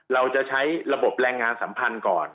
เราจะใช้ระบบแรงงานสัมพันธ์ก่อน